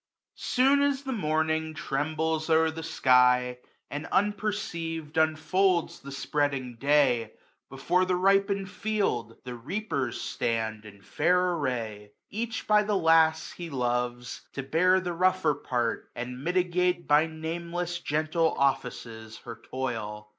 150 Soon as the morning trembles o*er the sky, And, unperceiv'd, unfolds the spreading day ; Before the ripen'd field the reapers stand. In fair array ; each by the lass he loves ; To bear the rougher part, and mitigate 155 By nameless gentle offices her toil.